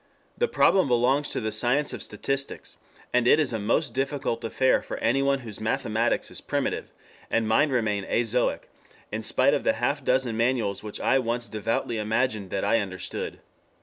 The problem belongs to the science of statistics, and it is a most difficult affair for anyone whose mathematics is primitive, and mine remain azoic in spite of the half dozen manuals which I once devoutly imagined that I understood.